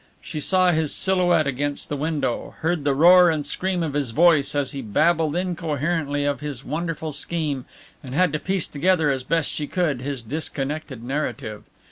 She saw his silhouette against the window, heard the roar and scream of his voice as he babbled incoherently of his wonderful scheme and had to piece together as best she could his disconnected narrative.